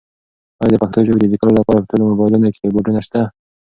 ایا د پښتو ژبې د لیکلو لپاره په ټولو مبایلونو کې کیبورډونه شته؟